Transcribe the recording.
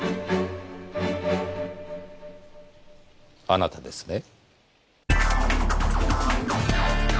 あなたですね？